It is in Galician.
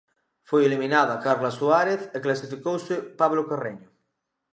Foi eliminada Carla Suárez e clasificouse Pablo Carreño.